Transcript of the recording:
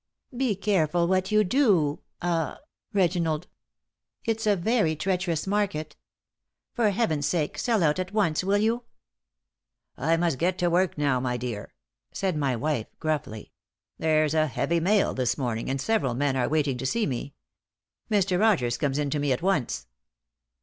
"Be careful what you do ah Reginald. It's a very treacherous market. For heaven's sake, sell out at once, will you?" "I must get to work now, my dear," said my wife, gruffly. "There's a heavy mail this morning, and several men are waiting to see me. Mr. Rogers comes in to me at once."